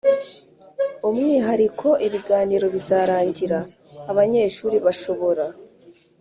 umwihariko ibiganiro bizarangira abanyeshuri bashobora